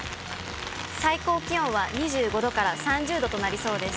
最高気温は２５度から３０度となりそうです。